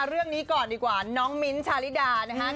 เรื่องนี้ก่อนดีกว่าน้องมิ้นท์ชาลิดานะครับ